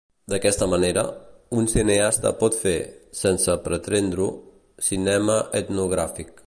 D'aquesta manera, un cineasta pot fer, sense pretendre-ho, cinema etnogràfic.